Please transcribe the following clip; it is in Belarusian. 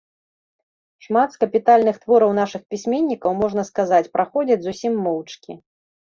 Шмат з капітальных твораў нашых пісьменнікаў, можна сказаць, праходзяць зусім моўчкі.